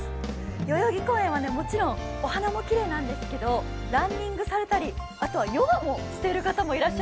代々木公園は、もちろんお花もきれいなんですけれどもランニングされたりしています。